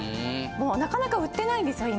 なかなか売ってないんですよ